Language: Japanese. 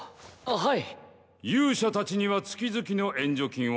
はい！